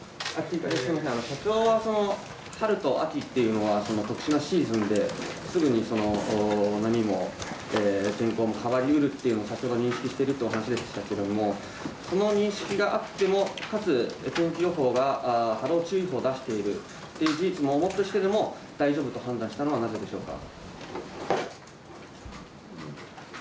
社長は春と秋というのは特殊なシーズンですぐに波も天候も変わりうると先ほど認識しているというお話でしたけれども、その認識があっても、かつ天気予報が波浪注意報を出しているという事実を持ってしてでも大丈夫と判断したのは、なぜでしょうか。